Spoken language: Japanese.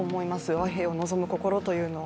和平を望む心というのは。